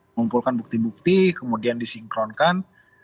mengumpulkan bukti bukti kemudian disinkronkan